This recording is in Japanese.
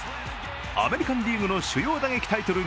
アメリカン・リーグの主要打撃タイトル